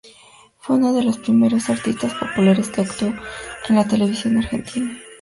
Fue uno de los primeros artistas populares que actuó en la televisión argentina.